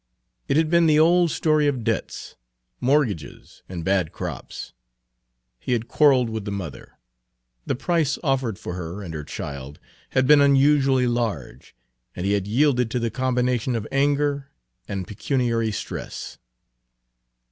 It had been the old story of debts, mortgages, and bad crops. He had quarreled with the mother. The price offered for her and her child had been unusually large, and he had yielded to the combination of anger and pecuniary stress.